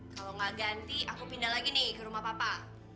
kalau nggak ganti aku pindah lagi nih ke rumah papa